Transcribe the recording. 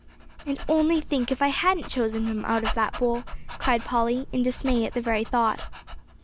"And only think, if I hadn't chosen him out of that bowl!" cried Polly, in dismay at the very thought.